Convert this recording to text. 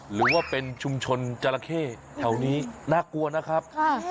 หรือว่าเป็นชุมชนจราเข้แถวนี้น่ากลัวนะครับ